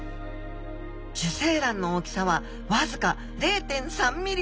受精卵の大きさは僅か０．３ｍｍほど。